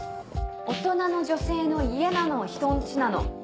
大人の女性の家なの人ん家なの。